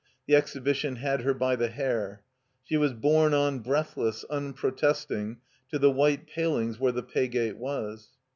The Exhibition had her by the hair. She was borne on, breathless, unprotesting, to the white palings where the paygate was.